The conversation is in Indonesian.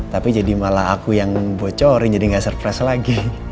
tapi jadi malah aku yang bocorin jadi gak surprise lagi